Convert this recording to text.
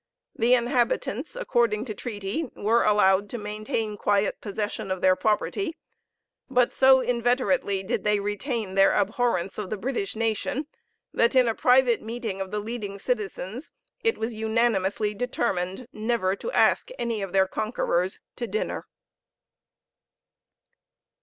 The inhabitants, according to treaty, were allowed to maintain quiet possession of their property, but so inveterately did they retain their abhorrence of the British nation that in a private meeting of the leading citizens it was unanimously determined never to ask any of their conquerors to dinner.